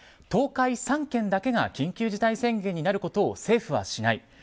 東海３県だけが緊急事態宣言になることを政府はしない。